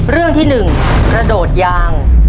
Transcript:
เรื่องที่๑กระโดดยาง